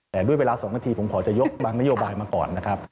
แต่ด้วยเวลา๒นาทีผมขอจะยกบางนโยบายมาก่อนนะครับ